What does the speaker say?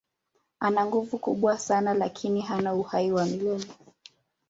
Ana nguvu kubwa sana lakini hana uhai wa milele.